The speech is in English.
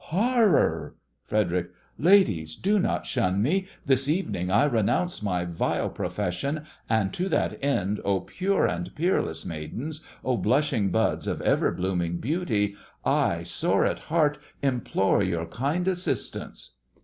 Horror! FREDERIC: Ladies, do not shun me! This evening I renounce my vile profession; And, to that end, O pure and peerless maidens! Oh, blushing buds of ever blooming beauty! I, sore at heart, implore your kind assistance.